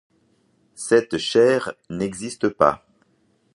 Cette chaire n'existe pas.